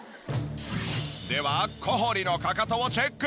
では小堀のカカトをチェック。